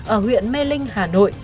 ở huyện mê linh hà nội